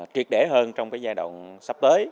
triệt để hơn trong cái giai đoạn sắp tới